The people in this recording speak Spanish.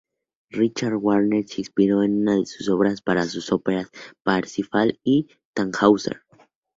Richard Wagner se inspiró en sus obras para sus óperas "Parsifal" y "Tannhäuser".